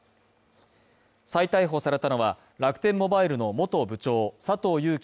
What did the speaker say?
再逮捕されたのは、楽天モバイルの元部長佐藤友紀